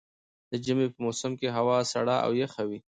د ژمي په موسم کې هوا سړه او يخه وي.